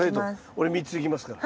俺３ついきますから。